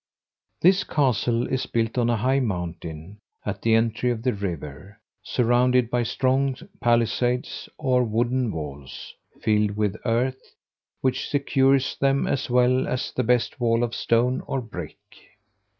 This castle is built on a high mountain, at the entry of the river, surrounded by strong palisades, or wooden walls, filled with earth, which secures them as well as the best wall of stone or brick.